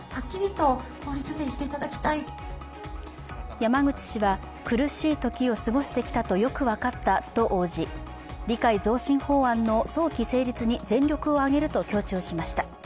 山口氏は苦しい時を過ごしてきたとよく分かったと応じ理解増進法案の早期成立に全力を挙げると強調しました。